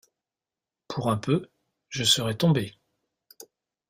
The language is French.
Pour un peu, je serais tombé.